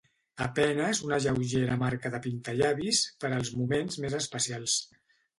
A penes una lleugera marca de pintallavis per als moments més especials.